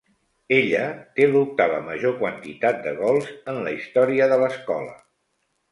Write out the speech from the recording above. Ella té l'octava major quantitat de gols en la història de l'escola.